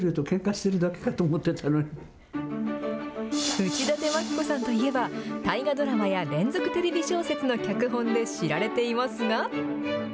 内館牧子さんといえば、大河ドラマや連続テレビ小説の脚本で知られていますが。